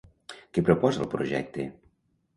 Què proposa el projecte?